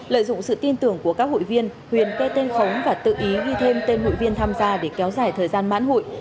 lợi dụng sự tin tưởng của các hụi viên huyền kê tên khống và tự ý ghi thêm tên hội viên tham gia để kéo dài thời gian mãn hụi